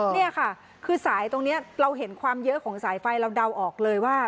นี่ค่ะคือสายตรงนี้เราเห็นความเยอะของสายไฟเราเดาออกเลยว่า